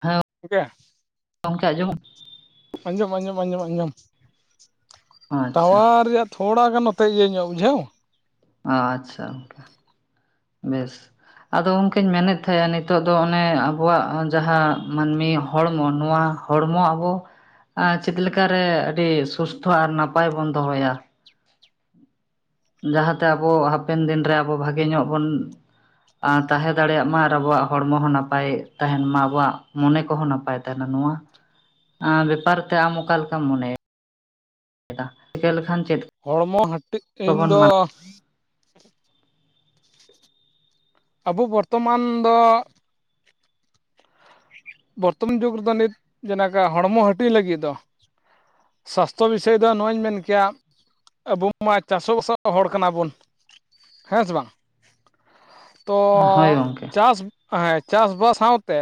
[inaudible] ᱦᱮᱸ ᱴᱷᱤᱠᱟ. ᱭᱟ, ᱜᱚᱝᱠᱮ ᱟᱡᱚᱢᱚᱜ ᱟᱸᱡᱚᱢ ᱟᱸᱡᱚᱢ ᱟᱸᱡᱚᱢ ᱟᱸᱡᱚᱢ ᱟᱪᱪᱷᱟ ᱴᱟᱣᱟᱨ ᱨᱮᱭᱟᱜ, ᱛᱷᱚᱲᱟ ᱜᱟᱱ ᱱᱚᱛᱮ ᱤᱭᱟᱹ ᱧᱚᱜ ᱵᱩᱡᱷᱟᱹᱣ᱾ ᱟᱪᱪᱷᱟ᱾ ᱜᱚᱝᱠᱮ [inaudible] ᱵᱮᱥ ᱟᱫᱚ ᱚᱱᱠᱟᱹᱧ ᱢᱮᱱᱮᱫ ᱛᱟᱦᱮᱸᱜ ᱱᱤᱛᱚᱜ ᱫᱚ ᱚᱱᱮ ᱟᱵᱚᱣᱟᱜ ᱡᱟᱦᱟᱸ ᱢᱟᱹᱱᱢᱤ ᱦᱚᱲᱢᱚ ᱱᱚᱣᱟ ᱦᱚᱲᱢᱚ ᱟᱵᱚ, ᱟᱨ ᱪᱤᱠᱟ. ᱞᱮᱠᱟ ᱨᱮ ᱟᱹᱰᱤ ᱥᱩᱥᱛᱷᱚ ᱟᱨ ᱱᱟᱯᱟᱭ ᱵᱚᱱ ᱫᱚᱦᱚᱭᱟ ᱾ ᱡᱟᱦᱟᱸᱛᱮ ᱟᱵᱚ ᱦᱟᱯᱮᱱ ᱫᱤᱱ ᱨᱮ ᱟᱵᱚ ᱵᱷᱟᱜᱮ ᱧᱚᱜ ᱵᱚᱱᱼᱼ ᱟ ᱛᱟᱦᱮᱸ ᱫᱟᱲᱮᱭᱟᱜ ᱢᱟ ᱟᱨ ᱟᱵᱚᱣᱟᱜ ᱦᱚᱲᱢᱚ ᱦᱚᱸ ᱱᱟᱯᱟᱭ ᱛᱟᱦᱮᱱ ᱢᱟ ᱟᱵᱚᱣᱟᱜ ᱢᱚᱱᱮ ᱠᱚᱦᱚᱸ ᱱᱟᱯᱟᱭ ᱛᱟᱦᱮᱱᱟ ᱱᱚᱣᱟ ᱵᱮᱯᱟᱨ ᱛᱮ ᱟᱢ ᱚᱠᱟ ᱞᱮᱠᱟᱢ ᱢᱚᱱᱮᱭᱟ ᱮᱠᱟ ᱪᱤᱠᱟᱹ ᱞᱮᱠᱷᱟᱱ ᱪᱮᱫ ᱦᱚᱲᱢᱚ ᱦᱟᱹᱴᱤᱡ ᱛᱤᱧ ᱠᱚᱵᱚᱱ ᱫᱚᱼᱼ ᱢᱟ ᱟᱵᱚ ᱵᱚᱨᱛᱚᱢᱟᱱ ᱫᱚ ᱵᱚᱨᱛᱚᱢᱟᱱ ᱡᱩᱜᱽ ᱨᱮ ᱫᱚ ᱱᱤᱛ ᱡᱮᱞᱮᱠᱟ ᱦᱚᱲᱢᱚ ᱦᱟᱹᱴᱤᱧ ᱞᱟᱹᱜᱤᱫ ᱫᱚᱼᱼ ᱥᱟᱥᱛᱷᱚ ᱵᱤᱥᱚᱭ ᱫᱚ ᱱᱚᱣᱚᱧ ᱢᱮᱱ ᱠᱮᱭᱟ ᱟᱵᱚ ᱢᱟ ᱪᱟᱥᱚᱵᱟᱥᱟᱣ ᱦᱚᱲ ᱠᱟᱱᱟᱵᱚᱱ ᱦᱮᱸ ᱥᱮ ᱵᱟᱝᱼᱼ ᱛᱚ ᱦᱳᱭ ᱜᱚᱝᱠᱮ ᱪᱟᱥ ᱦᱮᱸ ᱪᱟᱥ ᱵᱟᱥ ᱥᱟᱶ ᱛᱮᱼᱼ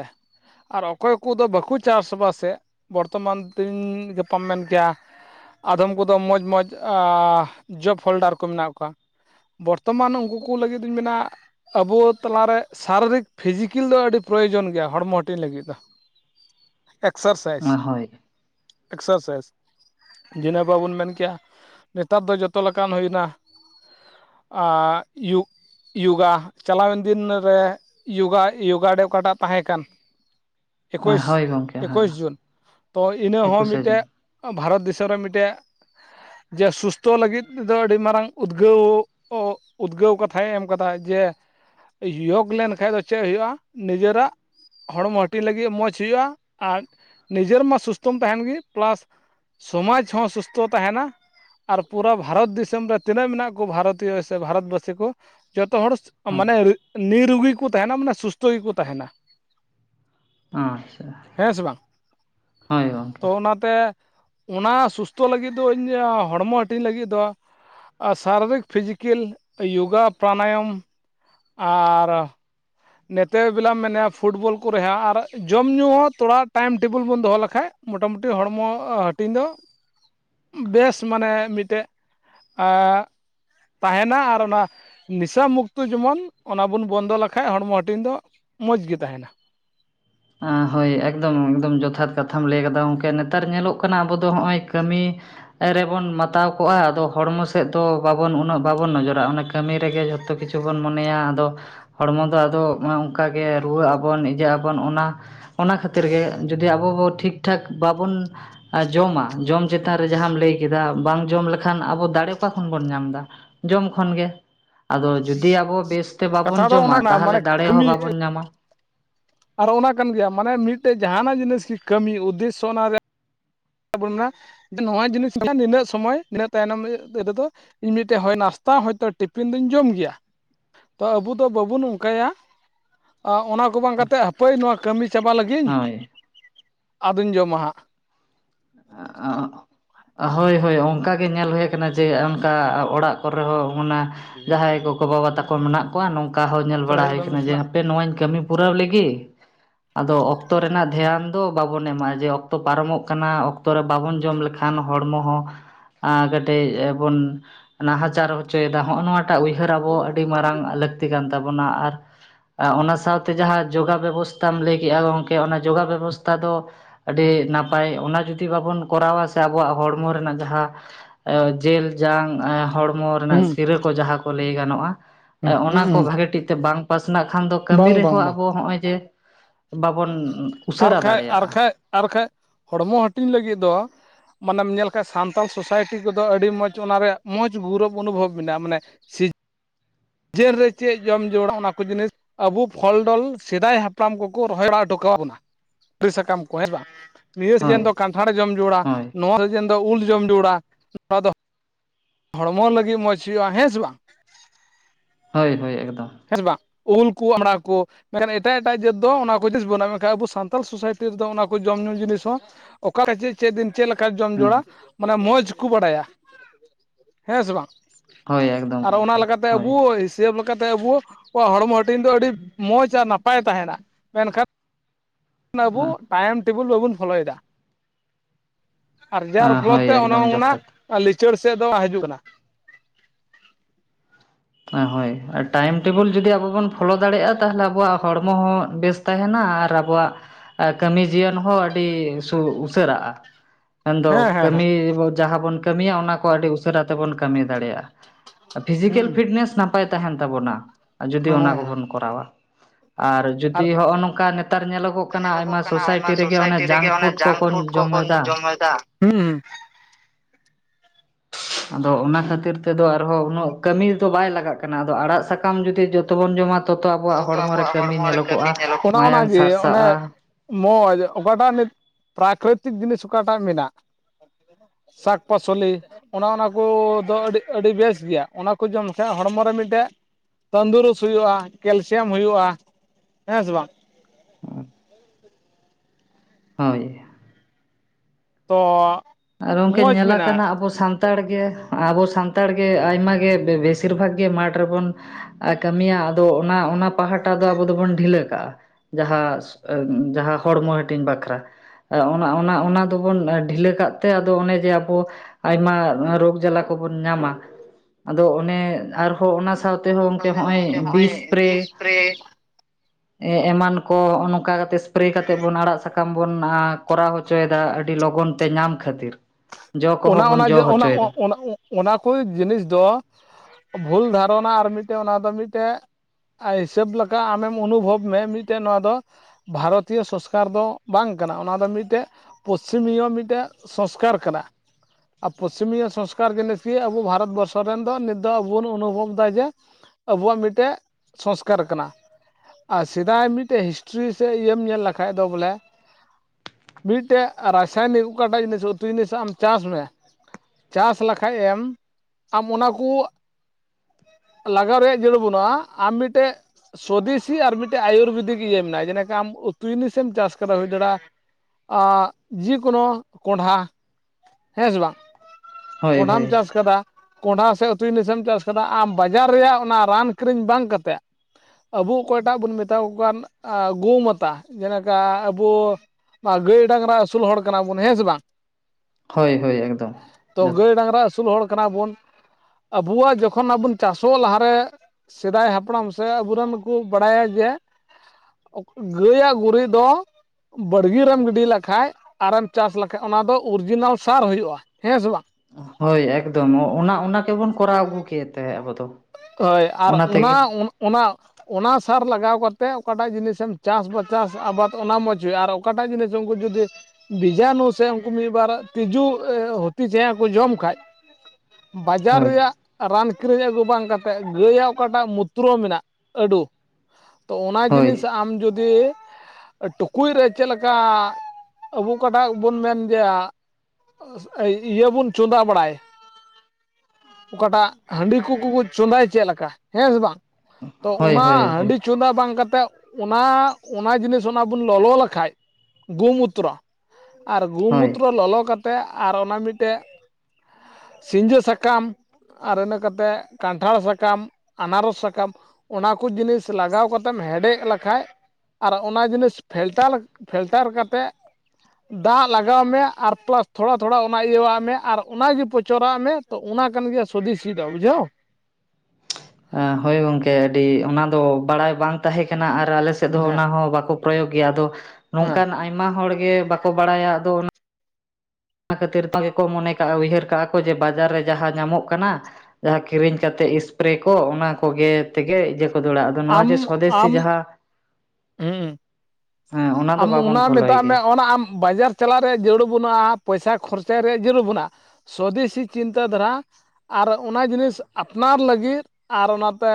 ᱟᱨ ᱚᱠᱚᱭ ᱠᱚ ᱫᱚ ᱵᱟᱠᱚ ᱪᱟᱥ ᱵᱟᱥ ᱮᱫ ᱵᱚᱨᱛᱚᱢᱟᱱ ᱛᱮᱧ ᱜᱟᱯᱟᱢ ᱢᱮᱱ ᱠᱮᱭᱟ ᱟᱫᱷᱚᱢ ᱠᱚᱫᱚ ᱢᱚᱡᱽ ᱢᱚᱡᱽ ᱡᱚᱵ ᱦᱳᱞᱰᱟᱨ ᱠᱚ ᱢᱮᱱᱟᱜ ᱠᱚᱣᱟ ᱵᱚᱨᱛᱚᱢᱟᱱ ᱩᱱᱠᱩ ᱠᱚ ᱞᱟᱹᱜᱤᱫᱩᱧ ᱢᱮᱱᱟ ᱟᱵᱚ ᱛᱟᱞᱟ ᱨᱮ ᱥᱟᱨᱤᱨᱤᱠ ᱯᱷᱤᱡᱤᱠᱮᱞ ᱟᱫᱚ ᱟᱹᱰᱤ ᱯᱨᱚᱭᱳᱡᱚᱱ ᱜᱮᱭᱟ ᱦᱚᱲᱢᱚᱼᱼ ᱦᱟᱹᱴᱤᱧ ᱞᱟᱹᱜᱤᱫ ᱫᱚ ᱮᱠᱥᱟᱨᱥᱟᱭᱤᱡᱽ ᱦᱳᱭ ᱮᱠᱥᱟᱨᱥᱟᱭᱤᱡᱽ ᱫᱤᱱᱟᱹᱝ ᱵᱟᱵᱚᱱ ᱢᱮᱱ ᱠᱮᱭᱟ ᱱᱮᱛᱟᱨ ᱫᱚ ᱡᱚᱛᱚ ᱞᱮᱠᱟᱱ ᱦᱩᱭ ᱮᱱᱟ ᱟ ᱤᱭᱩ ᱡᱩᱜᱟ ᱪᱟᱞᱟᱣᱮᱱ ᱫᱤᱱ ᱨᱮ ᱡᱩᱜᱟ ᱡᱩᱜᱟ ᱨᱮ ᱚᱠᱟᱴᱟᱜ ᱛᱟᱸᱦᱮ ᱠᱟᱱ᱾ ᱮᱠᱩᱥ ᱦᱳᱭ ᱜᱚᱝᱠᱮ ᱦᱳᱭ ᱮᱠᱩᱥ ᱡᱩᱱ ᱛᱚ ᱤᱱᱟᱹ ᱦᱚᱸ ᱮᱠᱩᱥᱮ ᱡᱩᱱ ᱢᱤᱫᱴᱮᱜ᱾ ᱵᱷᱟᱨᱚᱛ ᱫᱤᱥᱚᱢ ᱨᱮ ᱢᱤᱫᱴᱮᱜ ᱡᱮ ᱥᱩᱥᱛᱷᱚ ᱞᱟᱹᱜᱤᱫ ᱛᱮᱫᱚ ᱟᱹᱰᱤ ᱢᱟᱨᱟᱝ ᱩᱫᱽᱜᱟᱹᱣ᱾ ᱩᱫᱽᱜᱟᱹᱣ ᱠᱟᱛᱷᱟᱭ ᱮᱢ ᱠᱟᱫᱟ ᱡᱮ᱾ ᱭᱩᱜᱽ ᱞᱮᱱ ᱠᱷᱟᱱ ᱫᱚ ᱪᱮᱫ ᱦᱩᱭᱩᱜᱼᱟ ᱱᱤᱡᱮᱨᱟᱜ᱾ ᱦᱚᱲᱢᱚ ᱦᱟᱹᱴᱤᱧ ᱞᱟᱹᱜᱤᱫ ᱢᱚᱡᱽ ᱦᱩᱭᱩᱜᱼᱟ ᱟᱨ ᱱᱤᱡᱮᱨ ᱢᱟ ᱥᱩᱥᱛᱷᱚᱢ ᱛᱟᱦᱮᱱ ᱜᱮ ᱯᱞᱟᱥ᱾ ᱥᱚᱢᱟᱡᱽ ᱦᱚᱸ ᱥᱩᱥᱛᱷᱚ ᱛᱟᱦᱮᱱᱟ᱾ ᱟᱨ ᱯᱩᱨᱟᱹ ᱵᱷᱟᱨᱚᱛ ᱫᱤᱥᱚᱢ ᱨᱮ ᱛᱤᱱᱟᱹᱜ ᱢᱮᱱᱟᱜ ᱠᱚ ᱵᱷᱟᱨᱚᱛᱤᱭᱚ ᱥᱮ ᱵᱷᱟᱨᱚᱛᱵᱟᱹᱥᱤ ᱠᱚ ᱡᱚᱛᱚ ᱦᱚᱲ᱾ ᱢᱟᱱᱮ ᱱᱤᱨᱩᱜᱤ ᱠᱚ ᱛᱟᱦᱮᱱᱟ ᱢᱟᱱᱮ ᱥᱩᱥᱛᱷᱚ ᱜᱮᱠᱚ ᱛᱟᱦᱮᱱᱟ᱾ ᱟᱪᱪᱷᱟ ᱦᱮᱸ ᱥᱮ ᱵᱟᱝ ᱦᱳᱭ ᱜᱚᱝᱠᱮ ᱛᱚ ᱚᱱᱟ ᱛᱮ ᱚᱱᱟ ᱥᱩᱥᱛᱷᱚ ᱞᱟᱹᱜᱤᱫ ᱫᱚ ᱤᱧ ᱦᱚᱲᱢᱚ ᱦᱟᱹᱴᱤᱧ ᱞᱟᱹᱜᱤᱫ ᱫᱚ᱾ ᱥᱟᱨᱵᱷᱤᱠ ᱯᱷᱤᱡᱤᱠᱮᱞ ᱡᱳᱜᱟ ᱯᱨᱟᱱᱟᱭᱟᱢ ᱟᱨ᱾ ᱱᱚᱛᱮ ᱵᱮᱞᱟ ᱢᱮᱱᱭᱟ ᱯᱷᱩᱴᱵᱚᱞ ᱠᱚᱨᱮ ᱦᱚᱸ ᱟᱨ ᱡᱚᱢ ᱧᱩ ᱦᱚᱸ ᱛᱷᱚᱲᱟ ᱴᱟᱭᱤᱢ ᱴᱮᱵᱤᱞ ᱵᱚᱱ ᱫᱚᱦᱚ ᱞᱮᱠᱷᱟᱡ᱾ ᱢᱚᱴᱟ ᱢᱩᱴᱤ ᱦᱚᱲᱢᱚ ᱦᱟᱹᱴᱤᱧ ᱫᱚ᱾ [unintelligible] ᱵᱮᱥ ᱢᱟᱱᱮ ᱢᱤᱫᱴᱮᱜ ᱟ᱾ ᱛᱟᱦᱮᱱᱟ ᱟᱨ ᱚᱱᱟ ᱱᱤᱥᱟ ᱢᱩᱠᱛᱚ ᱡᱮᱢᱚᱱ ᱚᱱᱟ ᱵᱚᱱ ᱵᱚᱱᱫᱚ ᱞᱮᱠᱷᱟᱱ᱾ ᱠᱷᱟᱡ ᱦᱚᱲᱢᱚ ᱦᱟᱹᱴᱤᱧ ᱫᱚ ᱢᱚᱡᱽ ᱜᱮ ᱛᱟᱦᱮᱱᱟ᱾ ᱦᱳᱭ ᱮᱠᱫᱚᱢ ᱮᱠᱫᱚᱢ ᱡᱚᱛᱷᱟᱛ ᱠᱟᱛᱷᱟᱢ ᱞᱟᱹᱭ ᱠᱟᱫᱟ ᱜᱚᱝᱠᱮ ᱱᱮᱛᱟᱨ ᱧᱮᱞᱚᱜ ᱠᱟᱱᱟ ᱟᱵᱚ ᱫᱚ ᱱᱚᱜᱼᱚᱭ ᱠᱟᱹᱢᱤ᱾ ᱨᱮᱵᱚᱱ ᱢᱟᱛᱟᱣ ᱠᱚᱜᱼᱟ ᱟᱫᱚ ᱦᱚᱲᱢᱚ ᱥᱮᱫ ᱫᱚ ᱵᱟᱵᱚᱱ ᱩᱱᱟᱹᱜ ᱵᱟᱵᱚᱱ ᱱᱚᱡᱚᱨᱟᱜᱼᱟ ᱚᱱᱟ ᱠᱟᱹᱢᱤ ᱨᱮᱜᱮ ᱡᱚᱛᱚ᱾ ᱡᱚᱛᱚ ᱠᱤᱪᱷᱩ ᱵᱚᱱ ᱢᱚᱱᱮᱭᱟ ᱟᱫᱚ ᱦᱚᱲᱢᱚ ᱫᱚ ᱟᱫᱚ ᱚᱱᱠᱟᱜᱮ ᱨᱩᱣᱟᱹᱜ ᱟᱵᱚᱱ ᱤᱭᱟᱹᱟᱹᱜ ᱟᱵᱚᱱ ᱚᱱᱟ᱾ ᱚᱱᱟ ᱠᱷᱟᱹᱛᱤᱨ ᱜᱮ ᱡᱩᱫᱤ ᱟᱵᱚ ᱵᱚ ᱴᱷᱤᱠᱼᱴᱷᱟᱠ ᱵᱟᱵᱚᱱ᱾ ᱦᱮᱸ ᱡᱚᱢᱟ ᱡᱚᱢ ᱪᱮᱛᱟᱱ ᱨᱮ ᱡᱟᱦᱟᱸᱟᱢ ᱞᱟᱹᱭ ᱠᱮᱫᱟ ᱵᱟᱝ ᱡᱚᱢ ᱞᱮᱠᱷᱟᱱ ᱟᱵᱚ ᱫᱟᱲᱮ ᱚᱠᱟ ᱠᱷᱚᱱ ᱵᱚᱱ ᱧᱟᱢ ᱫᱟ ᱡᱚᱢ ᱠᱷᱚᱱ ᱜᱮ ᱟᱫᱚ ᱡᱩᱫᱤ ᱟᱵᱚ ᱵᱮᱥ ᱛᱮ ᱵᱟᱵᱚᱱ ᱠᱟᱛᱷᱟ ᱫᱚ ᱡᱚᱢᱟ ᱚᱱᱟ ᱠᱟᱱᱟ ᱛᱟᱦᱚᱞᱮ ᱢᱟᱱᱮ ᱫᱟᱲᱮ ᱦᱚᱸ ᱠᱟᱹᱢᱤ ᱵᱟᱵᱚᱱ ᱧᱟᱢᱟ, ᱟᱨ ᱚᱱᱟ ᱠᱟᱱ ᱜᱮᱭᱟ ᱢᱟᱱᱮ ᱢᱤᱫᱴᱮᱡ ᱡᱟᱦᱟᱱᱟᱜ ᱡᱤᱱᱤᱥ ᱜᱤ ᱠᱟᱹᱢᱤ ᱩᱫᱽᱫᱮᱥᱥᱚ ᱚᱱᱟ ᱨᱮᱭᱟᱜ, ᱛᱟᱵᱚᱱᱟ ᱡᱮ ᱱᱚᱣᱟ ᱡᱤᱱᱤᱥ ᱱᱤᱱᱟᱹᱜ ᱥᱚᱢᱚᱭ ᱱᱤᱱᱟᱹᱜ ᱛᱟᱭᱱᱚᱢ ᱨᱮᱫᱚ, ᱤᱧ ᱢᱤᱫᱴᱮᱡ ᱦᱚᱭ ᱱᱟᱥᱛᱟ ᱦᱚᱭᱛᱳ ᱴᱤᱯᱷᱤᱱ ᱫᱚᱧ ᱡᱚᱢ ᱜᱮᱭᱟ, ᱛᱚ ᱟᱵᱩ ᱫᱚ ᱵᱟᱵᱚᱱ ᱚᱱᱠᱟᱭᱟ ᱚᱱᱟ ᱠᱚ ᱵᱟᱝ ᱠᱟᱛᱮ ᱦᱟᱯᱟᱹᱭ ᱱᱚᱣᱟ ᱠᱟᱹᱢᱤ, ᱪᱟᱵᱟ ᱞᱟᱹᱜᱤᱧ ᱦᱳᱭ ᱟᱫᱚᱧ ᱡᱚᱢᱟ ᱦᱟᱸᱜ, ᱟᱸ ᱟ ᱚᱸᱻ ᱦᱳᱭ ᱦᱳᱭ ᱚᱱᱠᱟᱜᱮ ᱧᱮᱞ ᱦᱩᱭ ᱠᱟᱱᱟ ᱡᱮ ᱚᱱᱠᱟ ᱚᱲᱟᱜ ᱠᱚᱨᱮ ᱦᱚᱸ ᱚᱱᱟ, ᱡᱟᱦᱟᱸᱭ ᱜᱚᱜᱚᱼᱵᱟᱵᱟ ᱛᱟᱠᱚ ᱢᱮᱱᱟᱜ ᱠᱚᱣᱟ ᱱᱚᱝᱠᱟ ᱦᱚᱸ ᱧᱮᱞ ᱵᱟᱲᱟ ᱦᱩᱭ ᱠᱟᱱᱟ ᱡᱮ, ᱦᱟᱯᱮ ᱱᱚᱣᱟᱧ ᱠᱟᱹᱢᱤ ᱯᱩᱨᱟᱹᱣ ᱞᱤᱜᱤ ᱟᱫᱚ ᱚᱠᱛᱚ ᱨᱮᱱᱟᱜ ᱫᱷᱮᱭᱟᱱ ᱫᱚ ᱵᱟᱵᱚᱱ ᱮᱢᱢᱟᱼᱟ ᱡᱮ ᱚᱠᱛᱚ ᱯᱟᱨᱚᱢᱚᱜ ᱠᱟᱱᱟ ᱚᱠ ᱚᱠᱛᱚ ᱨᱮ ᱵᱟᱵᱚᱱ ᱡᱚᱢ ᱞᱮᱠᱷᱟᱱ ᱦᱚᱲᱢᱚ ᱦᱚᱸ ᱠᱟᱹᱴᱤᱡ ᱵᱚᱱ ᱱᱟᱦᱟᱪᱟᱨ ᱦᱚᱪᱚᱭᱮᱫᱟ ᱦᱚᱜ-ᱚ ᱱᱚᱣᱟ ᱚᱠᱟᱴᱟᱜ ᱩᱭᱦᱟᱹᱨ ᱟᱵᱚ ᱟᱹᱰᱤ ᱢᱟᱨᱟᱝ ᱞᱟᱹᱠᱛᱤ ᱠᱟᱱ ᱛᱟᱵᱚᱱᱟ ᱟᱨ ᱚᱱᱟ ᱥᱟᱶᱛᱮ ᱡᱟᱦᱟᱸ ᱡᱚᱜᱟ ᱵᱮᱵᱚᱥᱛᱷᱟᱢ ᱞᱟᱹᱭ ᱠᱮᱜᱼᱟ ᱜᱚᱢᱠᱮ ᱚᱱᱟ ᱡᱚᱜᱟ ᱵᱮᱵᱚᱥᱛᱷᱟ ᱫᱚ ᱟᱹᱰᱤ ᱱᱟᱯᱟᱭ ᱚᱱᱟ ᱡᱩᱫᱤ, ᱡᱩᱫᱤ ᱵᱟᱵᱚᱱ ᱠᱚᱨᱟᱣᱟ ᱥᱮ ᱟᱵᱚᱣᱟᱜ ᱦᱚᱲᱢᱚ ᱨᱮᱱᱟᱜ ᱡᱟᱦᱟᱸ ᱡᱮᱞ ᱡᱟᱝ ᱦᱚᱲᱢᱚ ᱨᱮᱱᱟᱜ ᱦᱩᱸ ᱥᱤᱨᱟᱹ ᱠᱚ ᱡᱟᱦᱟᱸ ᱠᱚ ᱞᱟᱹᱭ ᱜᱟᱱᱚᱜᱼᱟ ᱦᱩᱸ ᱚᱱᱟ ᱦᱩᱸ ᱠᱚ ᱵᱷᱟ. ᱜᱮ ᱴᱷᱤᱠ ᱛᱮ ᱵᱟᱝ ᱯᱟᱥᱱᱟᱜ ᱠᱷᱟᱱ ᱫᱚ ᱠᱟᱹᱢᱤ ᱵᱟᱝ ᱨᱮᱦᱚᱸ ᱵᱟᱝ ᱵᱟᱝ ᱟᱵᱚ ᱦᱚᱜ-ᱚᱭ ᱡᱮ ᱵᱟᱵᱚᱱ ᱩᱥᱟᱹᱨᱟ ᱫᱟᱲᱮᱭᱟᱜᱼᱟ, ᱟᱨᱠᱷᱟᱡ ᱦᱚᱲᱢᱚ ᱦᱟᱹᱴᱤᱧ ᱞᱟᱹᱜᱤᱫ ᱫᱚ, ᱢᱟᱱᱮᱢ ᱧᱮᱞ ᱠᱷᱟᱱ ᱥᱟᱱᱛᱟᱞ ᱥᱳᱥᱟᱭᱴᱤ ᱠᱚᱫᱚ ᱟᱹᱰᱤ ᱢᱚᱸᱡᱽ ᱚᱱᱟ ᱨᱮᱭᱟᱜ ᱢᱚᱸᱡᱽ ᱜᱚᱨᱚᱵᱽ ᱚᱱᱩᱵᱷᱚᱵ ᱢᱮᱱᱟᱜᱼᱟ ᱢᱟᱱᱮ, ᱥᱤ ᱡᱮᱱ ᱨᱮ ᱪᱮᱫ ᱡᱚᱢ ᱡᱩᱲᱟ ᱚᱱᱟᱠᱚ ᱡᱤᱱᱤᱥ, ᱟᱵᱚ ᱯᱷᱚᱞᱰᱚᱞ ᱥᱮᱫᱟᱭ ᱦᱟᱯᱲᱟᱢ ᱠᱚᱠᱚ ᱨᱚᱦᱚᱭ ᱵᱟᱲᱟ ᱦᱚᱴᱚ ᱠᱟᱫ ᱵᱚᱱᱟ, ᱛᱨᱤ ᱥᱟᱠᱟᱢ ᱠᱚ ᱦᱮᱸ ᱵᱟᱝ ᱱᱤᱭᱟᱹ ᱥᱤᱡᱤᱱ ᱦᱳᱭ ᱫᱚ ᱠᱟᱱ ᱴᱷᱟᱲ ᱡᱚᱢ ᱡᱩᱲᱟ ᱦᱳᱭ ᱱᱚᱣᱟ ᱥᱤᱡᱤᱱ ᱫᱚ ᱩᱞ ᱡᱚᱢ ᱡᱩᱲᱟ ᱱᱚᱣᱟ ᱫᱚ ᱦᱚᱲᱢᱚ ᱞᱟᱹᱜᱤᱫ ᱢᱚᱸᱡᱽ ᱦᱩᱭᱩᱜᱼᱟ ᱦᱮᱸ ᱥᱮ ᱵᱟᱝ, ᱦᱳᱭ ᱦᱳᱭ ᱮᱠᱫᱚᱢ, ᱦᱮᱸ ᱥᱮ ᱵᱟᱝ ᱩᱞᱠᱩ ᱟᱢᱲᱟ ᱠᱚ, ᱢᱮᱱᱠᱷᱟᱱ ᱮᱴᱟᱜ ᱮᱴᱟᱜ ᱡᱟᱹᱛ ᱫᱚ ᱚᱱᱟ ᱠᱚ ᱡᱤᱥ ᱵᱟᱹᱱᱩᱜᱼᱟ ᱢᱮᱱᱠᱷᱟᱱ ᱟᱵᱚ ᱥᱟᱱᱛᱟᱲ ᱥᱳᱥᱟᱭᱴᱤ ᱨᱮᱫᱚ ᱚᱱᱟ ᱠᱚ ᱡᱚᱢᱼ ᱧᱩᱩ ᱡᱤᱱᱤᱥ ᱦᱚᱸ, ᱚᱠᱟᱨᱮ ᱡᱮ ᱪᱮᱫ ᱫᱤᱱ ᱪᱮᱫ ᱞᱮᱠᱟ ᱡᱚᱢ ᱡᱚᱲᱟ ᱦᱩᱸ ᱢᱟᱱᱮ ᱢᱚᱡᱽ ᱠᱩ ᱵᱟᱰᱟᱭᱟ ᱦᱮᱸ ᱥᱮ ᱵᱟᱝ ᱦᱳᱭ ᱮᱠᱫᱚᱢ ᱟᱨ ᱚᱱᱟ ᱜᱚᱝᱠᱮ ᱞᱮᱠᱟᱛᱮ ᱦᱳᱭ ᱟᱵᱚᱭᱥ, ᱥᱮᱵᱽ ᱞᱮᱠᱟᱛᱮ ᱟᱵᱚ ᱠᱚᱣᱟᱜ ᱦᱚᱲᱢᱚ ᱦᱟᱹᱴᱤᱧ ᱫᱚ ᱟᱹᱰᱤ ᱢᱚᱡᱽ ᱟᱨ ᱱᱟᱯᱟᱭ ᱛᱟᱦᱮᱸᱱᱟ ᱢᱮᱱᱠᱷᱟᱱ ᱟᱵᱚ ᱴᱟᱭᱮᱢ ᱴᱮᱵᱮᱞ ᱵᱟᱵᱚᱱ ᱯᱷᱳᱞᱳᱭᱮᱫᱟ, ᱟᱨ ᱡᱟᱨ ᱯᱷᱚᱞᱚ ᱦᱳᱭ ᱛᱮ ᱚᱱᱮ ᱮᱠᱫᱚᱢ ᱚᱱᱟ ᱡᱚᱛᱷᱟᱛ ᱞᱤᱪᱟᱹᱲ ᱥᱮᱫ ᱫᱚ ᱦᱤᱡᱩᱜ ᱠᱟᱱᱟ, ᱦᱳᱭ ᱟᱨ ᱴᱟᱭᱨᱢ ᱴᱮᱵᱮᱞ ᱡᱩᱚᱫᱤ ᱥᱵᱚ ᱵᱚᱱ ᱯᱷᱚᱞᱳ ᱫᱟᱲᱮᱭᱟᱜᱼᱟ ᱛᱟᱦᱚᱞᱮ ᱟᱵᱚᱣᱟᱜ ᱦᱚᱲᱢᱚ ᱦᱚᱸ ᱵᱮᱥ ᱛᱟᱦᱮᱸᱱᱟ ᱟᱨ ᱟᱵᱚᱣᱟᱜ ᱠᱟᱹᱢᱤ ᱡᱤᱭᱚᱱ ᱦᱚᱸ ᱟᱹᱰᱤ ᱩᱥᱟᱹᱨᱟᱜᱼᱟ ᱢᱮᱱᱫᱚ ᱦᱮᱸ ᱦᱮᱸ ᱦᱮᱸ ᱠᱟᱹᱢᱤ ᱡᱟᱦᱟᱸ ᱵᱚᱱ ᱠᱟᱹᱢᱤᱭᱟ ᱚᱱᱟ ᱠᱚ ᱟᱹᱰᱤ ᱩᱥᱟᱹᱨᱟ ᱛᱮᱵᱚᱱ ᱠᱟᱹᱢᱤ ᱫᱟᱲᱮᱭᱟᱜᱼᱟ, ᱯᱷᱤᱡᱤᱠᱮᱞ ᱯᱷᱤᱴᱱᱮᱥ ᱱᱟᱯᱟᱭ ᱛᱟᱦᱮᱸᱱ ᱛᱟᱵᱚᱱᱟ ᱡᱩᱫᱤ ᱦᱩᱸ ᱚᱱᱟ ᱦᱮᱸ ᱦᱮᱸ ᱠᱚᱵᱚᱱ ᱠᱚᱨᱟᱣᱟ, ᱟᱨ ᱡᱩᱫᱤ ᱦᱚᱜᱼᱚ ᱱᱚᱝᱠᱟ ᱱᱮᱛᱟᱨ ᱧᱮᱞᱚᱜᱚᱜ ᱠᱟᱱᱟ ᱧᱮᱞᱚᱜᱚᱜ ᱟᱭᱢᱟ ᱠᱟᱱᱟ ᱟᱭᱢᱟ ᱥᱳᱥᱟᱭᱴᱤ ᱨᱮᱜᱮ ᱚᱱᱮ ᱥᱳᱥᱟᱭᱴᱤ ᱨᱮᱜᱮ ᱡᱟᱝᱠ ᱚᱱᱮ ᱯᱷᱩᱰ ᱡᱟᱝᱠ ᱯᱷᱩᱰ ᱠᱚᱠᱚ ᱡᱚᱢᱮᱫᱟ ᱦᱩᱸ ᱩ ᱟᱫᱚ ᱚᱱᱟ ᱠᱷᱟᱹᱛᱤᱨ ᱛᱮᱫᱚ ᱟᱨᱦᱚᱸ ᱩᱱᱟᱹᱜ ᱠᱟᱹᱢᱤ ᱫᱚ ᱵᱟᱭ ᱞᱟᱜᱟᱜ ᱠᱟᱱᱟ ᱟᱫᱚ ᱟᱲᱟᱜ ᱥᱟᱠᱟᱢ ᱡᱩᱫᱤ ᱡᱚᱛᱚ ᱵᱚᱱ ᱡᱚᱢᱟ, ᱚᱱᱛᱚᱛᱚ ᱟᱵᱚᱣᱟᱜ ᱛᱚᱛᱚ ᱦᱚᱲᱢᱚ ᱨᱮ ᱟᱵᱚᱣᱟᱜ ᱠᱟᱹᱢᱤ ᱦᱚᱲᱢᱚ ᱨᱮ ᱧᱮᱞᱚᱜᱚᱜᱼᱟ ᱠᱟᱹᱢᱤ ᱧᱮᱞᱚᱜ ᱚᱱᱟ ᱢᱟᱭᱟᱝ ᱚᱱᱟᱜᱮ ᱚᱱᱮ ᱥᱟᱨᱥᱟᱜᱼᱟ, ᱢᱚᱡᱽ ᱚᱠᱟᱴᱟᱜ ᱱᱤᱛ ᱯᱨᱟᱠᱨᱤᱛᱤᱠ ᱡᱤᱱᱤᱥ ᱚᱠᱟᱴᱟᱜ ᱢᱮᱱᱟᱜ ᱥᱟᱠ ᱯᱳᱥᱳᱞᱤ ᱚᱱᱟ ᱚᱱᱟ ᱠᱚ ᱫᱚ ᱟᱹᱰᱤ ᱟᱹᱰᱤ ᱵᱮᱥ ᱜᱮᱭᱟ ᱚᱱᱟ ᱠᱚ ᱡᱚᱢ ᱞᱮᱠᱷᱟᱱᱡ ᱦᱚᱲᱢᱚ ᱨᱮ ᱢᱤᱫᱴᱮᱡ, ᱛᱚᱱᱫᱩᱨᱥ ᱦᱩᱭᱩᱜᱼᱟ ᱠᱮᱞᱥᱤᱭᱟᱢ ᱦᱩᱭᱩᱜᱼᱟ ᱦᱮᱸ ᱥᱮ ᱵᱟᱝ, ᱟᱨᱪᱷᱟ ᱦᱳᱭ ᱛᱚ ᱟᱨ ᱜᱚᱝᱠᱮ ᱢᱚᱡᱽ ᱧᱮᱞᱟ ᱢᱮᱱᱟᱜᱼᱟ ᱟᱠᱟᱱᱟ ᱟᱵᱚ ᱥᱟᱱ ᱛᱟᱲ ᱜᱮ ᱟᱵᱚ ᱥᱟᱱᱛᱟᱲ ᱜᱮ ᱟᱭᱢᱟ ᱜᱮ ᱵᱮᱥᱤᱨ ᱵᱷᱟᱜᱽ ᱜᱮ ᱢᱟᱴᱷ ᱨᱮᱵᱚᱱ ᱟ ᱠᱟᱹᱢᱤᱭᱟ ᱟᱫᱚ ᱚᱱᱟ ᱚᱱᱟ ᱯᱟᱦᱴᱟ ᱫᱚ ᱟᱵᱚ ᱫᱚᱵᱚᱱ ᱰᱷᱤᱞᱟᱹ ᱠᱟᱜᱼᱟ ᱡᱟᱦᱟᱸ ᱡᱟᱦᱟᱸ ᱦᱚᱲᱢᱚ ᱦᱟᱹᱴᱤᱧ ᱵᱟᱠᱷᱨᱟ ᱟ ᱚᱱᱟ ᱚᱱᱟ ᱚᱱᱟ ᱫᱚᱵᱚᱱ ᱰᱷᱤᱞᱟᱹ ᱠᱟᱜ ᱛᱮ ᱟᱫᱚ ᱚᱱᱮ ᱡᱮ ᱟᱵᱚ ᱟᱭᱢᱟ ᱨᱳᱜᱽ ᱡᱟᱞᱟ ᱠᱚᱵᱚᱱ ᱧᱟᱢᱟ ᱟᱫᱚ ᱚᱱᱮ ᱟᱨᱦᱚᱸ ᱚᱱᱟ ᱥᱟᱶᱛᱮᱦᱚᱸ ᱜᱚᱝᱠᱮ ᱦᱚᱸᱜᱼᱚᱭ ᱵᱤᱥ ᱯᱮᱨᱮ ᱮ ᱮᱢᱟᱱ ᱠᱚ ᱱᱚᱝᱠᱟ ᱠᱟᱛᱮ ᱮᱥᱯᱨᱮ ᱠᱟᱛᱮ ᱵᱚᱱ ᱟᱲᱟᱜ ᱥᱟᱠ ᱠᱟᱢ ᱵᱚᱱ ᱟ ᱠᱚᱨᱟᱣ ᱦᱚᱪᱚᱭᱮᱫᱟ ᱟᱹᱰᱤ ᱞᱚᱜᱚᱱ ᱛᱮ ᱧᱟᱢ ᱠᱷᱟᱹᱛᱤᱨ ᱡᱚ ᱚᱱᱟ ᱠᱚᱦᱚᱸ ᱵᱚᱱ ᱚᱱᱟ ᱡᱚ ᱡᱮ ᱚᱱᱟ ᱚᱜ ᱦᱚᱪᱚᱭᱮᱫᱟ ᱚᱱᱟ ᱚᱜ ᱚᱱᱟᱠᱚ ᱡᱤᱱᱤᱥ ᱫᱚ ᱵᱷᱩᱞ ᱫᱷᱟᱨᱚᱱᱟ ᱟᱨ ᱢᱤᱫᱴᱮᱜ ᱚᱱᱟ ᱫᱚ ᱢᱤᱫᱴᱮᱜ ᱦᱤᱥᱟᱹᱵ ᱞᱮᱠᱟ ᱟᱢᱮᱢ ᱚᱱᱩᱵᱷᱚᱵᱽ ᱢᱮ ᱢᱤᱫᱴᱮᱡ ᱱᱚᱣᱟ ᱫᱚ ᱵᱷᱟᱨᱚᱛᱤᱭᱚ ᱥᱚᱥᱠᱟᱨ ᱫᱚ ᱵᱟᱝ ᱠᱟᱱᱟ ᱚᱱᱟ ᱫᱚ ᱢᱤᱫᱴᱮᱜ ᱯᱚᱥᱪᱤᱢᱤᱭᱚ ᱢᱤᱫᱴᱮᱜ ᱥᱚᱝᱥᱠᱟᱨ ᱠᱟᱱᱟ ᱟ ᱯᱚᱥᱪᱤᱢᱤᱭᱟᱹ ᱥᱚᱥᱠᱟᱨ ᱡᱤᱱᱤᱥ ᱜᱮ ᱟᱵᱚ ᱵᱷᱟᱨᱚᱛ ᱵᱚᱨᱥᱚ ᱨᱮᱱ ᱫᱚ ᱱᱤᱛ ᱫᱚ ᱟᱵᱚ ᱵᱚᱱ ᱚᱱᱩᱵᱷᱚᱵᱽ ᱫᱟ ᱡᱮ ᱟᱵᱩᱣᱟᱜ ᱢᱤᱫᱴᱮᱜ ᱥᱚᱥᱠᱟᱨ ᱠᱟᱱᱟ ᱟᱨ ᱥᱮᱫᱟᱭ ᱢᱤᱫᱴᱮᱜ ᱦᱤᱥᱴᱨᱤ ᱥᱮ ᱤᱭᱟᱹᱢ ᱧᱮᱞ ᱞᱮᱠᱷᱟᱡ ᱫᱚ ᱵᱚᱞᱮ ᱢᱤᱫᱴᱮᱜ ᱟ ᱨᱟᱥᱟᱭᱱᱤᱠ ᱚᱠᱟᱴᱟᱜ ᱡᱤᱱᱤᱥ ᱩᱫ ᱛᱩ ᱡᱤᱱᱤᱥ ᱟᱢ ᱪᱟᱥ ᱢᱮ ᱪᱟᱥ ᱞᱮᱠᱷᱟᱡ ᱮᱢ ᱟᱢ ᱚᱱᱟ ᱠᱩ ᱞᱟᱜᱟᱣ ᱨᱮᱭᱟᱜ ᱡᱟᱹᱲᱩ ᱵᱟᱹᱱᱩᱜᱼᱟ ᱟᱢ ᱢᱤᱫᱴᱮᱜ ᱥᱩᱫᱤᱥᱤ ᱟᱨ ᱢᱤᱫᱴᱮᱜ ᱟᱭᱩᱨᱵᱮᱫᱤᱠ ᱤᱭᱟᱹ ᱢᱮᱱᱟᱜ-ᱟ ᱡᱮ ᱢᱮᱱᱮ ᱠᱟᱢ ᱩᱛᱩ ᱡᱤᱱᱤᱥ ᱮᱢ ᱪᱟᱥ ᱠᱟᱫᱟ ᱦᱩᱭ ᱫᱟᱲᱟ ᱟ ᱡᱤᱠᱳᱱᱳ ᱠᱚᱸᱰᱷᱟ ᱦᱮᱸ ᱥᱮ ᱵᱟᱝ ᱦᱳᱭ ᱠᱚᱸᱰᱷᱟ ᱟᱢ ᱦᱳᱭ ᱪᱟᱥ ᱠᱟᱫᱟ ᱠᱚᱸᱰᱷᱟ ᱥᱮ ᱩᱛᱩ ᱡᱤᱱᱤᱥᱮᱢ ᱪᱟᱥ ᱠᱟᱫᱟ ᱟᱢ ᱵᱟᱡᱟᱨ ᱨᱮᱭᱟᱜ ᱚᱱᱟ ᱨᱟᱱ ᱠᱤᱨᱤᱧ ᱵᱟᱝ ᱠᱟᱛᱮ ᱟᱵᱚ ᱚᱠᱚᱭᱴᱟᱜ ᱵᱚᱱ ᱢᱮᱛᱟ ᱠᱚ ᱠᱟᱱ ᱟ ᱜᱩᱢ ᱢᱟᱛᱟ ᱡᱮᱞᱮᱠᱟ ᱟᱵᱚ ᱟ ᱜᱟᱹᱭ ᱰᱟᱝᱨᱟ ᱟᱹᱥᱩᱞ ᱦᱚᱲ ᱠᱟᱱᱟ ᱵᱚᱱ ᱦᱮᱸ ᱥᱮ ᱵᱟᱝ ᱦᱳᱭ ᱦᱳᱭ ᱮᱠᱼᱼ ᱛᱚ ᱜᱟᱹᱭ ᱰᱟᱝᱨᱟ ᱟᱹᱥᱩᱞ ᱦᱚᱲ ᱠᱟᱱᱟ ᱵᱚᱱ ᱟᱵᱚᱣᱟᱜ ᱡᱚᱠᱷᱚᱱ ᱟᱵᱚᱱ ᱪᱟᱥᱚᱜ ᱞᱟᱦᱟ ᱨᱮ ᱥᱮᱫᱟᱭ ᱦᱟᱯᱲᱟᱢ ᱥᱮ ᱟᱵᱚᱨᱮᱱ ᱠᱩ ᱵᱟᱲᱟᱭᱟ ᱡᱮ [inaudible] ᱜᱟᱹᱭ ᱟᱜ ᱜᱩᱨᱤᱡ ᱫᱚ ᱵᱟᱲᱜᱤ ᱨᱮᱢ ᱜᱤᱰᱤ ᱞᱮᱠᱷᱟᱡ ᱟᱨᱮᱢ ᱪᱟᱥ ᱞᱮᱠᱷᱟᱡ ᱚᱱᱟ ᱫᱚ ᱚᱨᱤᱡᱤᱱᱟᱞ ᱥᱟᱨ ᱦᱩᱭᱩᱜᱼᱟ ᱦᱮᱸ ᱥᱮ ᱵᱟᱝ? ᱦᱳᱭ ᱮᱠᱫᱚᱢ ᱚᱱᱟ ᱚᱱᱟ ᱠᱮᱵᱚᱱ ᱠᱚᱨᱟᱣ ᱟᱹᱜᱩ ᱠᱮᱫ ᱛᱟᱦᱮᱸᱫ ᱟᱵᱚ ᱫᱚ ᱠᱟᱹᱭ ᱟᱨ ᱚᱱᱟ ᱚᱱᱟ ᱚᱱᱟ ᱥᱟᱨ ᱞᱟᱜᱟᱣ ᱠᱟᱛᱮᱫ ᱚᱠᱟᱴᱟᱜ ᱡᱤᱱᱤᱥᱮᱢ ᱪᱟᱥ ᱵᱟ ᱪᱟᱥ ᱟᱵᱟᱫ ᱚᱱᱟ ᱢᱚᱡᱽ ᱦᱩᱭᱩᱜᱼᱟ ᱟᱨ ᱚᱠᱟᱴᱟᱜ ᱡᱤᱱᱤᱥ ᱩᱱᱠᱩ ᱡᱩᱫᱤ ᱵᱤᱡᱟᱱᱩ ᱥᱮ ᱩᱱᱠᱩ ᱢᱤᱫᱵᱟᱨ ᱛᱤᱡᱩ ᱦᱩᱛᱤ ᱪᱟᱭᱟ ᱠᱚ ᱡᱚᱢ ᱠᱷᱟᱡ ᱵᱟᱡᱟᱨ ᱦᱳᱭ ᱨᱮᱭᱟᱜ ᱨᱟᱱ ᱠᱤᱨᱤᱧ ᱟᱹᱜᱩ ᱵᱟᱝ ᱠᱟᱛ ᱜᱟᱹᱭ ᱟᱜ ᱚᱠᱟᱴᱟᱜ ᱢᱩᱛᱨᱚ ᱢᱮᱱᱟᱜ ᱟᱹᱰᱩ ᱛᱚ ᱚᱱᱟ ᱦᱳᱭ ᱡᱤᱱᱤᱥ ᱟᱢ ᱡᱩᱫᱤ ᱴᱩᱠᱩᱡ ᱨᱮ ᱪᱮᱫ ᱞᱮᱠᱟ ᱟᱵᱚᱠᱟᱴᱟᱜ ᱵᱚᱱ ᱢᱮᱱ ᱡᱮᱭᱟ ᱤᱭᱟᱹ ᱵᱚᱱ ᱪᱚᱸᱫᱟ ᱵᱟᱲᱟᱭ ᱚᱠᱟᱴᱟᱜ ᱦᱟᱺᱰᱤ ᱠᱩᱠᱩ ᱠᱩᱡ ᱪᱚᱫᱟᱭ ᱪᱮᱫ ᱞᱮᱠᱟ ᱦᱮᱸ ᱥᱮ ᱵᱟᱝ ᱛᱚ ᱦᱳᱭ ᱚᱱᱟ ᱦᱳᱭ ᱦᱳᱭ ᱦᱟᱺᱰᱤ ᱪᱚᱸᱫᱟ ᱵᱟᱝ ᱠᱟᱛᱮ ᱚᱱᱟ ᱚᱱᱟ ᱡᱤᱱᱤᱥ ᱚᱱᱟ ᱵᱚᱱ ᱞᱚᱞᱚ ᱞᱮᱠᱷᱟᱡ ᱜᱩ ᱢᱩᱛᱨᱚ ᱟᱨ ᱦᱳᱭ ᱜᱩᱢᱩᱛᱨᱚ ᱞᱚᱞᱚ ᱠᱟᱛ ᱛᱮ ᱟᱨ ᱚᱱᱟ ᱢᱤᱫᱴᱮᱜ ᱥᱤᱡᱳ ᱥᱟᱠᱟᱢ ᱟᱨ ᱤᱱᱟᱹ ᱠᱟᱛᱮ ᱠᱟᱱᱴᱷᱟᱲ ᱥᱟᱠᱟᱢ ᱟᱱᱟᱨᱚᱥ ᱥᱟᱠᱟᱢ ᱚᱱᱟ ᱠᱚ ᱡᱤᱱᱤᱥ ᱞᱟᱜᱟᱣ ᱠᱟᱛᱮᱢ ᱦᱮᱰᱮᱡ ᱞᱮᱠᱷᱟᱡ ᱟᱨ ᱚᱱᱟ ᱡᱤᱱᱤᱥ ᱯᱷᱤᱞᱴᱟᱞ ᱯᱷᱤᱞᱴᱟᱨ ᱠᱟᱛᱮᱫ, ᱫᱟᱜᱽ ᱞᱟᱜᱟᱣ ᱢᱮ ᱟᱨ ᱯᱞᱟᱥ ᱛᱷᱚᱲᱟ ᱛᱷᱚᱲᱟ ᱚᱱᱟ ᱤᱭᱟᱹᱣ ᱟᱜ ᱢᱮ ᱟᱨ ᱚᱱᱟ ᱜᱮ ᱯᱚᱪᱚᱨᱟᱜ ᱢᱮ᱾ ᱛᱚ ᱚᱱᱟ ᱠᱟᱱ ᱜᱮᱭᱟ ᱥᱩᱫᱤᱥ ᱥᱤ ᱫᱚ ᱵᱩᱡᱷᱟᱹᱣ᱾ ᱦᱳᱭ ᱜᱚᱝᱠᱮ ᱟᱹᱰᱤ ᱚᱱᱟ ᱫᱚ ᱵᱟᱲᱟᱭ ᱵᱟᱝ ᱛᱟᱦᱮᱸ ᱠᱟᱱᱟ ᱟᱨ ᱟᱞᱮ ᱥᱮᱫ ᱦᱚᱸ ᱦᱮᱸ ᱚᱱᱟ ᱦᱚᱸ ᱵᱟᱠᱚ, ᱯᱨᱚᱭᱳᱜᱽ ᱜᱮᱭᱟ, ᱟᱫᱚ ᱦᱮᱸ ᱱᱚᱝᱠᱟᱱ ᱟᱭᱢᱟ ᱦᱚᱲ ᱜᱮ ᱵᱟᱠᱚ ᱵᱟᱲᱟᱭᱟ ᱟᱫᱚ, ᱚᱱᱟ ᱠᱷᱟᱹᱛᱤᱨ ᱛᱮ ᱜᱮᱠᱚ ᱢᱚᱱᱮ ᱠᱟᱜᱼᱟ ᱩᱭᱦᱟᱹᱨ ᱠᱟᱜᱼᱟ ᱠᱚ ᱡᱮ ᱵᱟᱡᱟᱨ ᱨᱮ ᱡᱟᱦᱟᱸ ᱧᱟᱢᱚᱜ ᱠᱟᱱᱟ᱾ ᱡᱟᱦᱟᱸ ᱠᱤᱨᱤᱧ ᱠᱟᱛᱮᱫ ᱮᱤᱯᱨᱮ ᱠᱚ ᱚᱱᱟ ᱠᱚᱜᱮ ᱛᱮᱜᱮ ᱤᱭᱟᱹ ᱠᱚ ᱫᱟᱹᱲᱟ, ᱱᱚᱣᱟ ᱡᱮ ᱟᱢ ᱥᱚᱫᱮᱥᱤ ᱟᱢ ᱡᱟᱦᱟᱸ ᱦᱩᱸ ᱦᱮᱸ ᱚᱱᱟ ᱫᱚ ᱟᱢ ᱵᱟᱵᱚᱱ ᱯᱷᱳᱞᱳᱭ ᱢᱮᱛᱟᱜ ᱢᱮ ᱜᱮᱭᱟ᱾ ᱚᱱᱟ ᱟᱢ ᱵᱟᱡᱟᱨ ᱪᱟᱞᱟᱜ ᱨᱮᱭᱟᱜ ᱡᱟᱹᱨᱩᱲ ᱵᱟᱹᱱᱩᱜᱼᱟ ᱯᱚᱭᱥᱟ ᱠᱷᱚᱨᱪᱟᱭ ᱨᱮᱭᱟᱜ ᱡᱟᱹᱨᱩᱲ ᱵᱟᱹᱱᱩᱜᱼᱟ, ᱥᱚᱫᱮᱥᱤ ᱪᱤᱱᱛᱟᱹ ᱫᱷᱟᱨᱟ ᱟᱨ ᱚᱱᱟ ᱡᱤᱱᱤᱥ ᱟᱯᱱᱟᱨ ᱞᱟᱹᱜᱤᱫ ᱟᱨ ᱚᱱᱟᱛᱮ,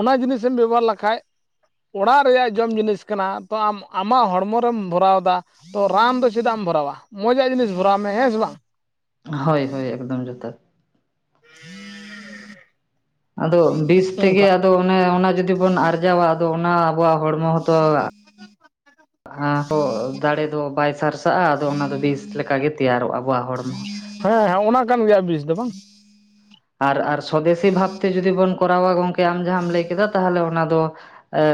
ᱚᱱᱟ ᱡᱤᱱᱤᱥᱮᱢ ᱵᱮᱵᱚᱦᱟᱨ ᱞᱮᱠᱷᱟᱡ ᱚᱲᱟᱜ ᱨᱮᱭᱟᱜ ᱡᱚᱢ ᱡᱤᱱᱤᱥ ᱠᱟᱱᱟ ᱛᱚ ᱟᱢ ᱟᱢᱟᱜ ᱦᱚᱲᱢᱚ ᱨᱮᱢ ᱵᱷᱚᱨᱟᱣ ᱫᱟ, ᱛᱚ ᱨᱟᱱ ᱫᱚ ᱪᱮᱫᱟᱜ ᱮᱢ ᱵᱷᱚᱨᱟᱣᱟ ᱢᱚᱡᱟᱜ ᱡᱤᱱᱤᱥ ᱵᱷᱚᱨᱟᱣ ᱢᱮ ᱦᱮᱸ ᱥᱮ ᱵᱟᱝ᱾ ᱦᱳᱭ ᱦᱳᱭ ᱮᱠᱫᱚᱢ ᱡᱚᱛᱟᱛ᱾ [inaudible] ᱟᱫᱚ ᱵᱤᱥ ᱛᱮᱜᱮ ᱚᱱᱠᱟ ᱟᱫᱚ ᱚᱱᱮ ᱚᱱᱟ ᱡᱩᱫᱤ ᱵᱚᱱ ᱟᱨᱡᱟᱣᱟ ᱟᱫᱚ ᱚᱱᱟ, ᱟᱵᱚᱣᱟᱜ ᱦᱚᱲᱢᱚ ᱦᱚᱸᱛᱚ ᱚᱱᱟᱠᱚ ᱫᱟᱲᱮ ᱫᱚ ᱵᱟᱭ ᱥᱟᱨᱥᱟᱜᱼᱟ ᱟᱫᱚ ᱚᱱᱟ ᱫᱚ ᱵᱤᱥ ᱞᱮᱠᱟ ᱜᱮ ᱛᱮᱭᱟᱨᱚᱜᱼᱟ ᱟᱵᱚᱣᱟᱜ ᱦᱚᱲᱢᱚ ᱦᱚᱸ᱾ ᱦᱮᱸ ᱦᱮᱸ ᱚᱱᱟ ᱠᱟᱱ ᱜᱮᱭᱟ ᱵᱤᱥ ᱫᱚ ᱵᱟᱝ, ᱟᱨ ᱟᱨ ᱥᱚᱫᱮᱥᱤ ᱵᱷᱟᱵᱛᱮ ᱡᱩᱫᱤ ᱵᱚᱱ ᱠᱚᱨᱟᱣᱟ ᱜᱚᱝᱠᱮ ᱟᱢ ᱡᱟᱦᱟᱸᱢ ᱞᱟᱹᱭ ᱠᱮᱫᱟ ᱛᱟᱦᱚᱞᱮ ᱚᱱᱟ ᱫᱚ,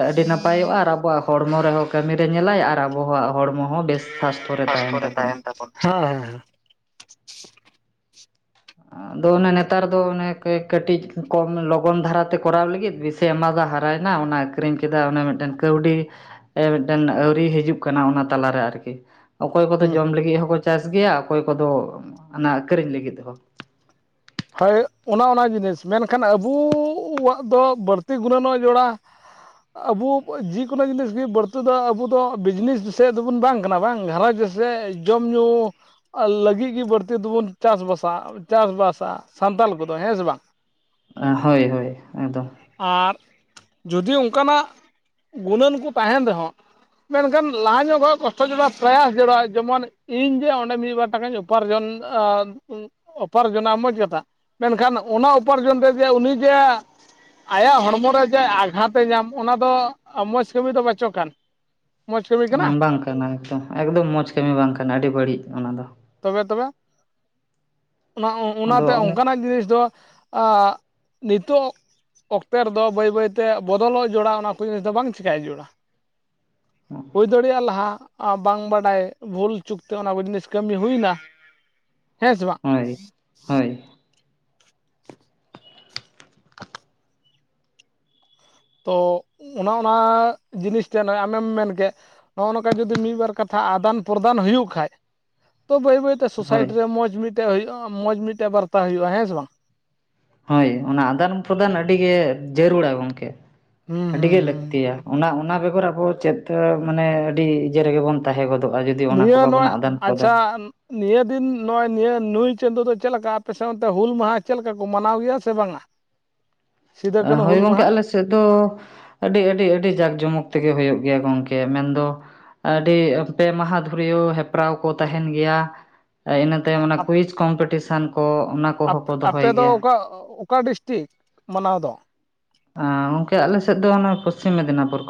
ᱟᱹᱰᱤ ᱱᱟᱯᱟᱭᱚᱜᱼᱟ ᱟᱨ ᱟᱵᱚᱣᱟᱜ ᱦᱚᱲᱢᱚ ᱨᱮᱦᱚᱸ ᱠᱟᱹᱢᱤ ᱨᱮ ᱧᱮᱞᱟᱭ ᱟᱨ ᱟᱵᱚᱣᱟᱜ ᱦᱚᱲᱢᱚ ᱦᱚᱸ ᱵᱮᱥ ᱥᱟᱥᱛᱷᱚ ᱯᱟᱥᱯᱚ ᱨᱮ ᱛᱟᱵᱚᱱᱟ ᱛᱟᱦᱮᱱ ᱛᱟᱵᱚᱱ ᱦᱮᱸ ᱦᱮᱸ᱾ ᱟᱨ, ᱟᱫᱚ ᱚᱱᱮ ᱱᱮᱛᱟᱨ ᱫᱚ ᱚᱱᱮ ᱠᱟᱹ ᱠᱟᱹᱴᱤᱡ ᱠᱚᱢ ᱞᱚᱜᱚᱱ ᱫᱷᱟᱨᱟ ᱛᱮ ᱠᱚᱨᱟᱣ ᱞᱟᱹᱜᱤᱫ ᱵᱤᱥᱤ ᱮᱢᱟᱫᱟ ᱦᱟᱨᱟᱭ ᱱᱟ ᱚᱱᱟ, ᱟᱠᱷᱨᱤᱧ ᱠᱮᱫᱟ ᱚᱱᱮ ᱢᱤᱫᱴᱮᱱ ᱠᱟᱹᱣᱰᱤ ᱢᱤᱫᱴᱮᱱ ᱟᱹᱣᱨᱤ ᱦᱤᱡᱩᱜ ᱠᱟᱱᱟ ᱚᱱᱟ ᱛᱟᱞᱟ ᱨᱮ ᱟᱨᱠᱤ᱾ ᱚᱠᱚᱭ ᱠᱚᱫᱚ ᱦᱮᱸ ᱡᱚᱢ ᱞᱟᱹᱜᱤᱫ ᱦᱚᱸᱠᱚ ᱪᱟᱥ ᱜᱮᱭᱟ, ᱚᱠᱚᱭ ᱠᱚᱫᱚ ᱚᱱᱟ ᱟᱠᱷᱨᱤᱧ ᱞᱟᱹᱜᱤᱫ ᱦᱚᱸ᱾ ᱦᱳᱭ ᱚᱱᱟ ᱚᱱᱟ ᱡᱤᱱᱤᱥ ᱢᱮᱱᱠᱷᱟᱱ ᱟᱵᱩᱣᱟᱜ ᱫᱚ ᱵᱟᱹᱲᱛᱤ ᱜᱩᱱᱟᱹᱱᱚᱜ ᱡᱚᱲᱟ, ᱟᱵᱚ ᱡᱮᱠᱳᱱᱳ ᱡᱤᱱᱤᱥᱜᱤ ᱵᱟᱹᱲᱛᱤ ᱫᱚ ᱟᱵᱚ ᱫᱚ ᱵᱤᱡᱽᱱᱮᱥ ᱥᱮᱫ ᱫᱚᱵᱚᱱ ᱵᱟᱝ ᱠᱟᱱᱟ ᱵᱟᱝ ᱜᱷᱟᱨᱚᱸᱡᱽ, ᱡᱮ ᱡᱚᱢ ᱧᱩ ᱞᱟᱹᱜᱤᱫ ᱜᱮ ᱵᱟᱹᱲᱛᱤᱤᱫᱵᱚᱱ ᱪᱟᱥ ᱵᱟᱥᱟ ᱪᱟᱥᱵᱟᱥᱟ, ᱥᱟᱱᱛᱟᱞ ᱠᱚᱫᱚ ᱦᱮᱸ ᱥᱮ ᱵᱟᱝ᱾ ᱦᱳᱭ ᱦᱳᱭ ᱮᱠᱫᱚᱢ᱾ ᱟᱨ ᱡᱩᱫᱤ ᱚᱱᱠᱟᱱᱟᱜ ᱜᱩᱱᱟᱹᱱ ᱠᱚ ᱛᱟᱦᱮᱱ ᱨᱮᱦᱚᱸ, ᱢᱮᱱᱠᱷᱟᱱ ᱞᱟᱦᱟ ᱧᱚᱜᱼᱠᱚᱜ ᱠᱚᱥᱴᱚ ᱡᱚᱲᱟ ᱯᱨᱟᱭᱟᱥ ᱡᱚᱲᱟ ᱡᱮᱢᱚᱱ ᱤᱧ ᱡᱮ ᱚᱸᱰᱮ ᱢᱤᱫᱵᱟᱨ ᱴᱟᱠᱟᱧ ᱩᱯᱟᱨᱡᱚᱱ ᱩᱯᱟᱨᱡᱚᱱᱟ ᱢᱚᱡᱽ ᱠᱟᱛᱷᱟ ᱢᱮᱱᱠᱷᱟᱱ ᱚᱱᱟ ᱩᱯᱟᱨᱡᱚᱱ ᱨᱮ ᱡᱮ ᱩᱱᱤ ᱡᱮ, ᱟᱭᱟᱜ ᱦᱚᱲᱢᱚ ᱨᱮ ᱡᱮ ᱟᱜᱷᱟᱛ ᱮ ᱧᱟᱢ ᱚᱱᱟ ᱫᱚ ᱢᱚᱡᱽ ᱠᱟᱹᱢᱤ ᱫᱚ ᱵᱟᱪᱚ ᱠᱟᱱ᱾ ᱢᱚᱡᱽ ᱠᱟᱹᱢᱤ ᱠᱟᱱᱟ ᱵᱟᱝ ᱠᱟᱱᱟ ᱮᱠᱫᱚᱢ ᱮᱠᱫᱚᱢ ᱢᱚᱸᱡᱽ ᱠᱟᱹᱢᱤ ᱵᱟᱝ ᱠᱟᱱᱟ ᱟᱹᱰᱤ ᱵᱟᱹᱲᱤᱡ ᱚᱱᱟ ᱫᱚ᱾ ᱛᱚᱵᱮ ᱛᱚᱵᱮ ᱚᱱᱟ ᱼᱚᱱᱟ, ᱟᱫᱚ ᱚᱱᱮ ᱚᱱᱟ ᱡᱤᱱᱤᱥ ᱫᱚ ᱟᱜ ᱱᱤᱛᱚᱜ, ᱚᱠᱛᱮ ᱨᱮᱫᱚ ᱵᱟᱹᱭ ᱵᱟᱹᱭᱛᱮ ᱵᱚᱫᱚᱞᱚᱜ ᱡᱚᱲᱟ ᱚᱱᱟ ᱠᱚ ᱡᱤᱱᱤᱥ ᱫᱚ ᱵᱟᱝ ᱪᱮᱤᱠᱟᱹᱭ ᱡᱚᱲᱟ᱾ ᱦᱩᱭ ᱫᱟᱲᱮᱭᱟᱜᱼᱟ ᱞᱟᱦᱟ ᱵᱟᱝ ᱵᱟᱰᱟᱭ ᱵᱷᱩᱞ ᱪᱩᱠᱛᱮ ᱚᱱᱟ ᱠᱚ ᱡᱤᱱᱤᱥ ᱠᱟᱹᱢᱤ ᱦᱩᱭᱱᱟ, ᱦᱮᱸ ᱥᱮ ᱵᱟᱝ ᱦᱳᱭ ᱦᱳᱭ᱾ ᱛᱚ ᱚᱱᱟ ᱚᱱᱟ ᱡᱤᱱᱤᱥ ᱛᱮ ᱱᱚᱜᱼᱚᱭ ᱟᱢᱮᱢ ᱢᱮᱱ ᱠᱮᱫ, ᱱᱚᱜᱼᱚ ᱱᱚᱝᱠᱟ ᱡᱩᱫᱤ ᱢᱤᱫ ᱵᱟᱨ ᱠᱟᱛᱷᱟ ᱟᱫᱟᱱ ᱯᱨᱚᱫᱟᱱ ᱦᱩᱭᱩᱜ ᱠᱷᱟᱭᱡ ᱛᱚ ᱵᱟᱹᱭ ᱵᱟᱹᱭᱛᱮ ᱦᱳᱭ ᱥᱳᱥᱟᱭᱴᱤ ᱨᱮ ᱢᱚᱸᱡᱽ ᱢᱤᱫᱴᱮᱡ ᱦᱩᱭᱩᱜᱼᱟ ᱢᱚᱸᱡᱽ ᱢᱤᱫᱴᱮᱡ ᱵᱟᱨᱛᱟ ᱦᱩᱭᱩᱜᱼᱟ ᱦᱮᱸ ᱥᱮ ᱵᱟᱝ᱾ ᱦᱳᱭ ᱚᱱᱟ ᱟᱫᱟᱱ ᱯᱨᱚᱫᱟᱱ ᱟᱹᱰᱤᱜᱮ ᱡᱟᱹᱨᱩᱲᱟ ᱜᱚᱝᱠᱮ᱾ ᱦᱩᱸ ᱟᱹᱰᱤ ᱦᱩᱸ ᱜᱮ ᱦᱩᱸ ᱞᱟᱹᱠᱛᱤᱭᱟ ᱚᱱᱟ ᱚᱱᱟ ᱵᱮᱜᱚᱨ ᱟᱵᱚ ᱪᱮᱫ ᱢᱟᱱᱮ ᱟᱹᱰᱤ ᱤᱭᱟᱹ ᱨᱮᱜᱮ ᱵᱚᱱ, ᱛᱟᱦᱮᱸ ᱜᱚᱫᱚᱜᱼᱟ ᱡᱩᱫᱤ ᱚᱱᱟ ᱠᱚ ᱱᱤᱭᱟᱹ ᱵᱟᱵᱚᱱ ᱱᱚᱜᱼᱚᱭ ᱟᱫᱟᱱ ᱟᱪᱪᱷᱟ ᱯᱨᱚᱫᱟᱱᱟ, ᱱᱤᱭᱟᱹ ᱫᱤᱱ ᱱᱚᱜᱼᱚᱭ ᱱᱤᱭᱟᱹ ᱱᱩᱭ ᱪᱟᱸᱫᱚᱳ ᱫᱚ ᱪᱮᱫ ᱞᱮᱠᱟ ᱟᱯᱮ ᱥᱟᱶᱛᱮ ᱦᱩᱞ ᱢᱟᱦᱟ ᱪᱮᱫᱠᱟ ᱠᱚ ᱢᱟᱱᱟᱣ ᱜᱮᱭᱟ ᱥᱮ ᱵᱟᱝᱟ᱾ ᱥᱤᱫᱟᱹ ᱠᱟᱹᱱᱦᱩ ᱦᱳᱭ ᱦᱩᱞ ᱜᱚᱝᱠᱮ ᱢᱟᱦᱟ ᱟᱞᱮ ᱥᱮᱫ ᱫᱚ ᱟᱹᱰᱤ ᱟᱹᱰᱤ ᱟᱹᱰᱤ ᱡᱟᱸᱠ ᱡᱚᱢᱚᱠ ᱛᱮᱜᱮ ᱦᱳᱭᱳᱜ ᱜᱮᱭᱟ ᱜᱚᱝᱠᱮ ᱢᱮᱱᱫᱚ ᱟᱹᱰᱤ ᱯᱮ ᱢᱟᱦᱟ ᱫᱷᱩᱨᱭᱟᱹᱣ ᱦᱮᱯᱨᱟᱣ ᱠᱚ ᱛᱟᱦᱮᱱ ᱜᱮᱭᱟ ᱤᱱᱟᱹ ᱛᱟᱭᱚᱢ ᱚᱱᱟ ᱟᱯ ᱠᱩᱭᱤᱡ ᱠᱚᱢᱯᱤᱴᱤᱥᱮᱱ ᱠᱚ ᱚᱱᱟ ᱠᱚᱦᱚᱸ ᱟᱯᱮ ᱠᱚ ᱟᱯᱮ ᱫᱚᱦᱚᱭ ᱫᱚ ᱜᱮᱭᱟ᱾ ᱚᱠᱟ ᱚᱠᱟ ᱰᱤᱥᱴᱤᱠ ᱢᱟᱱᱟᱣ ᱫᱚ? ᱟᱻ ᱜᱚᱝᱠᱮ ᱟᱞᱮᱥᱮᱫ ᱫᱚ ᱯᱚᱥᱪᱤᱢ ᱚᱱᱟ ᱢᱮᱫᱽᱱᱟᱯᱩᱨ ᱠᱷᱚᱱ